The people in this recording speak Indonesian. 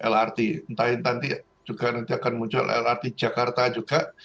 lrt entah nanti juga nanti akan muncul lrt jakarta juga